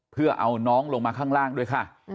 เพื่อเอาน้องลงมาข้างล่างด้วยค่ะ